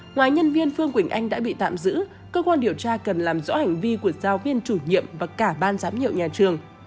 ngoài nhân viên phương quỳnh anh đã bị tạm giữ cơ quan điều tra cần làm rõ hành vi của giáo viên chủ nhiệm và cả ban giám hiệu nhà trường